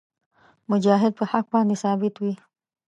مجاهد په حق باندې ثابت وي.